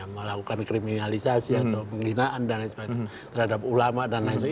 melakukan kriminalisasi atau penghinaan dan lain sebagainya terhadap ulama dan lain sebagainya